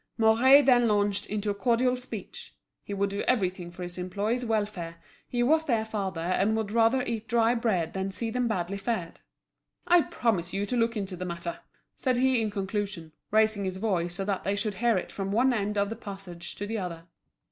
Mouret then launched into a cordial speech: he would do everything for his employees' welfare, he was their father, and would rather eat dry bread than see them badly fed. "I promise you to look into the matter," said he in conclusion, raising his voice so that they should hear it from one end of the passage to the other.